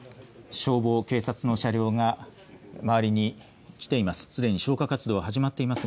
消防、警察の車両が周りにきています。